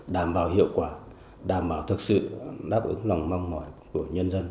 đảm bảo hiệu quả đảm bảo thực sự đáp ứng lòng mong mỏi của nhân dân